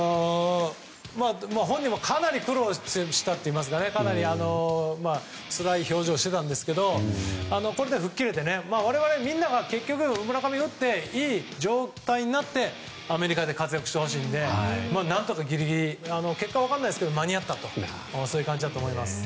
本人もかなり苦労したといいますかかなりつらい表情をしてたんですけどこれで吹っ切れて我々みんなが村上が打っていい状態になってアメリカで活躍してほしいので何とかギリギリ結果分からないですが間に合ったという感じだと思います。